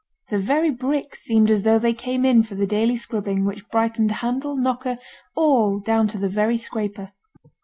The very bricks seemed as though they came in for the daily scrubbing which brightened handle, knocker, all down to the very scraper.